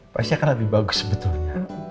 pasti akan lebih bagus sebetulnya